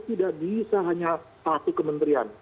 tidak bisa hanya satu kementerian